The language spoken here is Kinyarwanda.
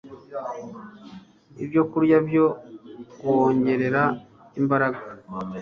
ibyokurya byo kuwongerera imbaraga